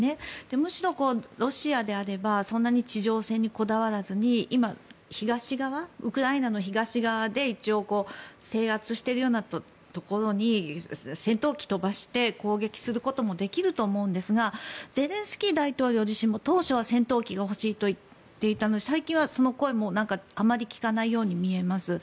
むしろロシアであればそんなに地上戦にこだわらずに今、東側ウクライナの東側で一応制圧しているようなところに戦闘機を飛ばして攻撃することもできると思うんですがゼレンスキー大統領自身も当初は戦闘機が欲しいと言っていたのに最近はその声もあまり聞かないように見えます。